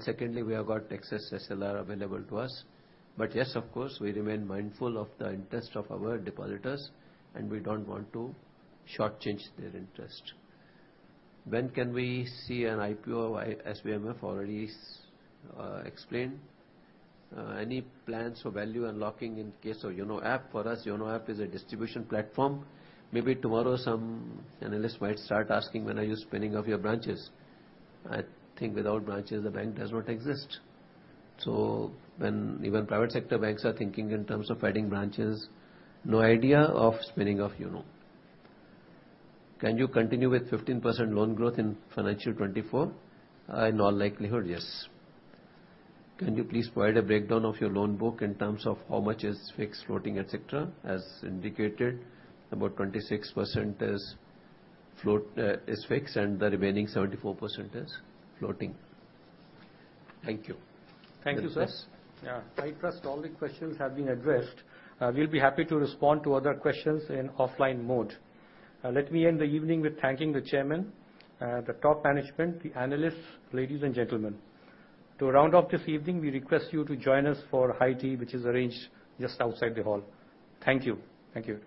Secondly, we have got excess SLR available to us. Yes, of course, we remain mindful of the interest of our depositors, and we don't want to shortchange their interest. When can we see an IPO of SBI MF? Already explained. Any plans for value unlocking in case of YONO app? For us, YONO app is a distribution platform. Maybe tomorrow, some analysts might start asking, "When are you spinning off your branches?" I think without branches, the bank does not exist. When even private sector banks are thinking in terms of adding branches, no idea of spinning off YONO. Can you continue with 15% loan growth in financial 2024? In all likelihood, yes. Can you please provide a breakdown of your loan book in terms of how much is fixed, floating, et cetera? As indicated, about 26% is float, is fixed, and the remaining 74% is floating. Thank you. Thank you, sir. Yeah, I trust all the questions have been addressed. We'll be happy to respond to other questions in offline mode. Let me end the evening with thanking the Chairman, the top management, the analysts, ladies and gentlemen. To round off this evening, we request you to join us for high tea, which is arranged just outside the hall. Thank you. Thank you.